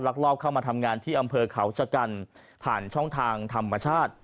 ลอบเข้ามาทำงานที่อำเภอเขาชะกันผ่านช่องทางธรรมชาติ